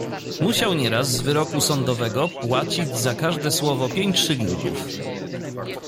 "Musiał nieraz z wyroku sądowego płacić za każde słowo pięć szylingów."